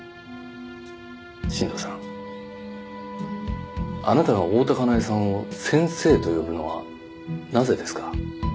新道さんあなたが大多香苗さんを先生と呼ぶのはなぜですか？